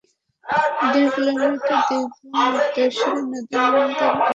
দুই কিলোমিটার দীর্ঘ মুক্তেশ্বরী নদীর বাম তীর বাঁধ মেরামত প্রকল্প বাস্তবায়ন করা হয়েছে।